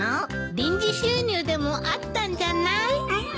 臨時収入でもあったんじゃない？